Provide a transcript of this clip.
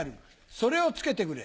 それを付けてくれ。